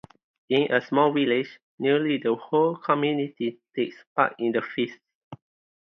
In a small village, nearly the whole community takes part in the feast.